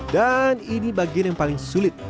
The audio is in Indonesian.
dan ini bagian yang paling sulit